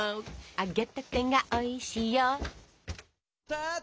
「揚げたてが美味しいよ」